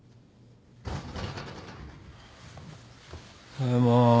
ただいま。